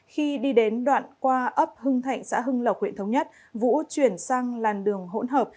khi đi đến đoạn qua ấp hưng thạnh xã hưng lộc huyện thống nhất vũ chuyển sang làn đường hỗn hợp